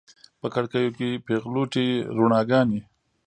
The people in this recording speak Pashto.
په کړکیو کې پیغلوټې روڼاګانې